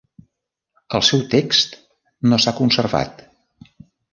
El seu text no s'ha conservat.